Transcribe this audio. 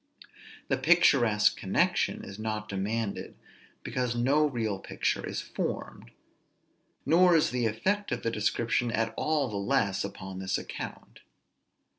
The picturesque connection is not demanded; because no real picture is formed; nor is the effect of the description at all the less upon this account.